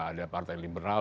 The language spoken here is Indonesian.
ada partai liberal